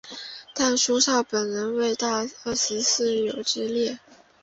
但苏绍本人未在二十四友之列。